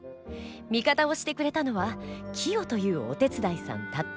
味方をしてくれたのは清というお手伝いさんたった一人だった。